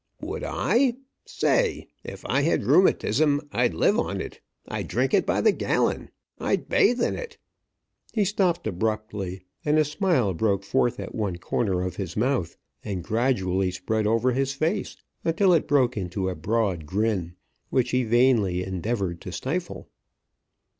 "Would I? Say! If I had rheumatism I'd live on it. I'd drink it by the gallon. I'd bathe in it " He stopped abruptly, and a smile broke forth at one corner of his mouth, and gradually spread over his face until it broke into a broad grin, which he vainly endeavored to stifle.